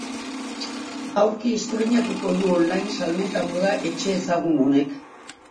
Aurki estreinatuko du online salmenta moda etxe ezagun honek.